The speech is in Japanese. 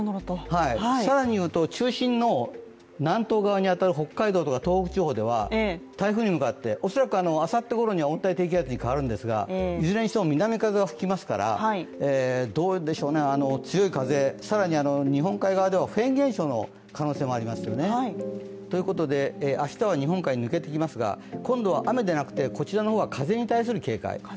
更にいうと、中心の南東側に当たる北海道とか中国地方では台風に向かって、おそらくあさってごろには温帯低気圧に変わるんですがいずれにしても南風が吹きますから、強い風、更に日本海側ではフェーン現象の可能性もありますよね。ということで明日は日本海、抜けてきますが今度は雨でなくて、こちらの方は風に対する警戒。